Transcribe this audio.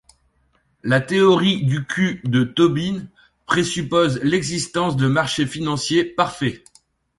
La théorie du Q de Tobin présuppose l'existence de marchés financiers parfaits.